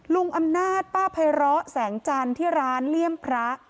ลุงอำนาจป้าไพร้อแสงจันทร์ที่ร้านเลี่ยมพระ